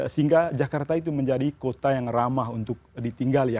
sehingga jakarta itu menjadi kota yang ramah untuk ditinggal ya